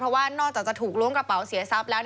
เพราะว่านอกจากจะถูกล้วงกระเป๋าเสียทรัพย์แล้ว